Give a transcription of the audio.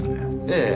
ええ。